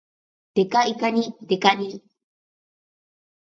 デカいかに、デカニ